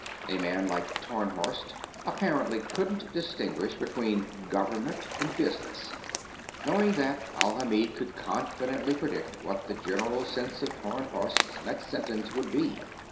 A man like Tarnhorst apparently couldn't distinguish between government and business. Knowing that, Alhamid could confidently predict what the general sense of Tarnhorst's next sentence would be.